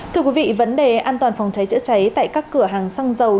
thưa quý vị vấn đề an toàn phòng cháy chữa cháy tại các cửa hàng xăng dầu